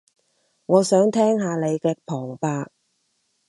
我想聽下你嘅旁白